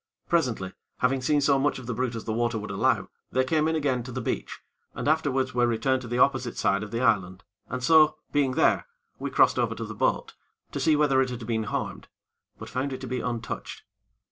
Presently, having seen so much of the brute as the water would allow, they came in again to the beach, and afterwards were returned to the opposite side of the island, and so, being there, we crossed over to the boat, to see whether it had been harmed; but found it to be untouched.